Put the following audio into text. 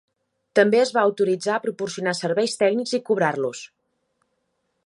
També es va autoritzar a proporcionar serveis tècnics i cobrar-los.